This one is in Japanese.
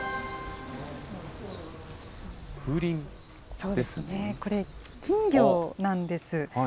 そうですね、これ、金魚なんです。